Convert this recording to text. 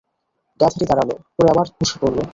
গাধাটি দাঁড়াল, পরে আবার বসে পড়ল।